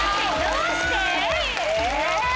どうして？え！